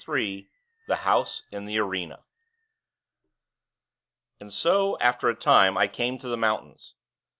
III THE HOUSE IN THE ARENA And so, after a time, I came to the mountains.